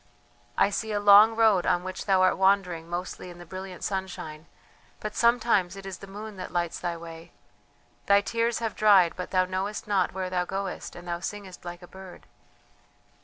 I see a long road on which thou art wandering mostly in the brilliant sunshine, but sometimes it is the moon that lights thy way. Thy tears have dried, but thou knowest not where thou goest and thou singest like a bird.